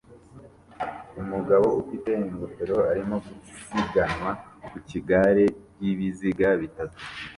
Umugabo ufite ingofero arimo gusiganwa ku igare ryibiziga bitatu